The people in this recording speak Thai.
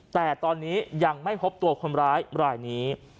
แต่ตอนนี้ยังไม่พบตัวคนร้ายรายนี้